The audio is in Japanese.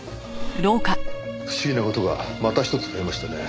不思議な事がまたひとつ増えましたね。